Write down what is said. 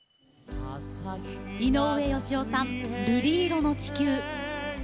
井上芳雄さん「瑠璃色の地球」。